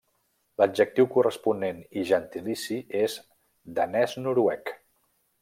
L'adjectiu corresponent i gentilici és danès-noruec.